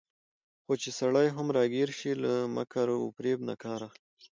خو چې سړى هم راګېر شي، له مکر وفرېب نه کار اخلي